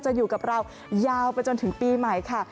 อยู่กับเรายาวไปจนถึงปีใหม่ค่ะ